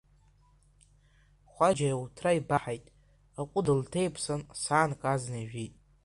Хәаџьа иуҭра ибаҳаит, аҟәыд лҭеиԥсан саанк азна, ижәит.